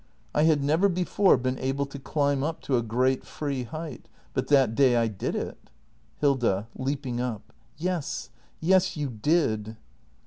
I had never before been able to climb up to a great, free height. But that day I did it. Hilda. [Leaping up.] Yes, yes, you did!